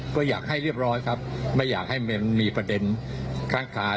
ก็อยากให้เรียบร้อยครับไม่อยากให้มันมีประเด็นค้างคาน